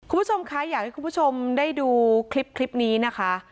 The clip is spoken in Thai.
คุณผู้ชมคะอยากให้คุณผู้ชมได้ดูคลิปนี้นะคะ